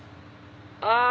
「ああ。